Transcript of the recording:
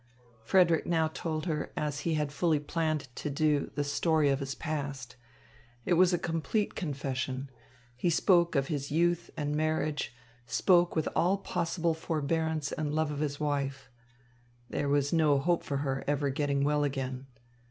Frederick now told her, as he had fully planned to do, the story of his past. It was a complete confession. He spoke of his youth and marriage, spoke with all possible forbearance and love of his wife. "There was no hope for her ever getting well again.